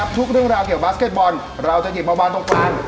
ทุกเรื่องราวเกี่ยวบาสเก็ตบอลเราจะหยิบมาวางตรงกลาง